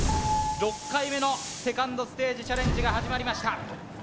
６回目のセカンドステージチャレンジが始まりました